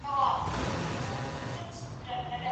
د خاوند لخوا بايد څوک وټاکل سي؟